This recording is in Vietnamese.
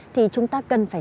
thì chúng ta cần phải